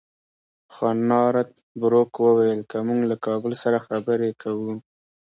خو نارت بروک وویل که موږ له کابل سره خبرې کوو.